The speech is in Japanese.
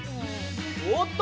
おっと！